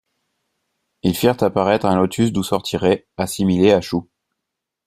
Ils firent apparaître un lotus d'où sortit Rê, assimilé à Shou.